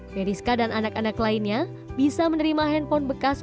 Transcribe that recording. meriska dan anak anak lainnya bisa menerima handphone bekas